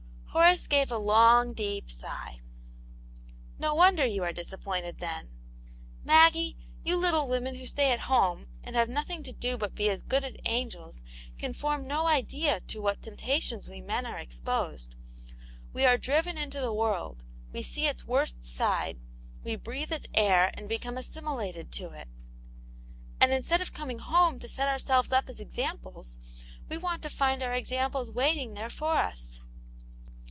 Horace gave a. long, deep sigh. "No wonder you are disappointed, then. Maggie, you little women who stay at home, and have nothing to do but to be as good as angels, can form no idea to what temptations we men are exposed. We are driven into the world ; we see its worst side; we breathe its air, and become assimilated to it. And instead of coming home to set ourselves up as examples, we want to find our examples waiting there for us."